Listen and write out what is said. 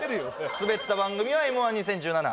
スベった番組は「Ｍ−１２０１７」